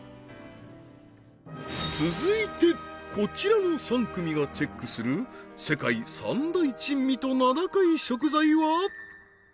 続いてこちらの３組がチェックする世界三大珍味と名高い食材は？